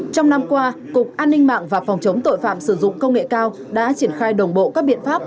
trong năm qua cục an ninh mạng và phòng chống tội phạm sử dụng công nghệ cao đã triển khai đồng bộ các biện pháp